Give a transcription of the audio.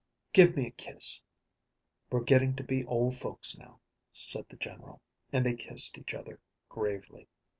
"Give me a kiss; we're getting to be old folks now," said the General; and they kissed each other gravely.